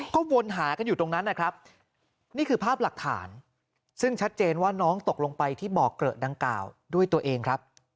ก็วนหากันอยู่ตรงนั้นนะครับ